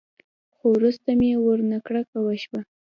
خو وروسته مې ورنه کرکه وسوه.